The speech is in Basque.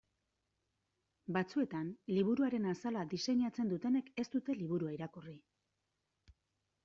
Batzuetan liburuaren azala diseinatzen dutenek ez dute liburua irakurri.